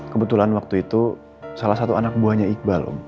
kebetulan waktu itu salah satu anak buahnya iqbal